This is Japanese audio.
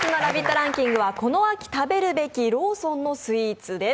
ランキングは、この秋食べるべきローソンのスイーツです。